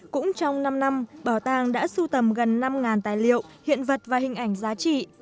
cũng trong năm năm bảo tàng đã sưu tầm gần năm tài liệu hiện vật và hình ảnh giá trị